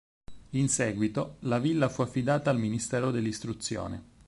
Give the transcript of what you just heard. In seguito, la villa fu affidata al Ministero dell'istruzione.